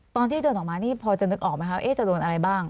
ตอนที่เดินออกมานี่พอจะนึกออกไหมคะจะโดนอะไรบ้าง